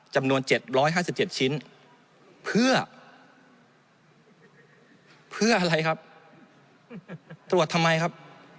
จำนวน๗๕๗ชิ้นเพื่ออะไรครับตรวจทำไมครับ